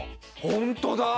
本当だ！